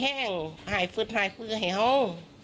มันเป็นความช่วยว่า